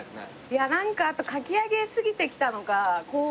いやなんかあとかき上げすぎてきたのかこう。